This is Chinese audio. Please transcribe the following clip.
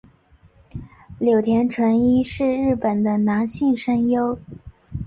柳田淳一是日本的男性声优。